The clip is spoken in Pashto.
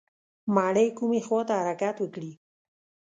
مڼې کومې خواته حرکت وکړي؟